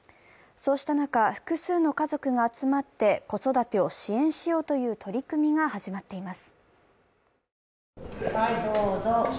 そうした中、複数の家族が集まって子育てを支援しようという取り組みが始まっています。